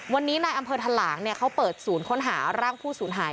วันนี้นายอำเภอทะหลางเขาเปิดศูนย์ค้นหาร่างผู้สูญหาย